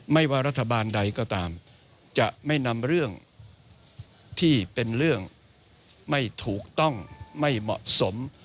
ไม่ว่ารัฐบาลใดก็ตามจะไม่นำเรื่องที่เป็นเรื่องไม่ถูกต้องไม่เหมาะสม